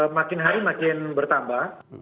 makin hari makin bertambah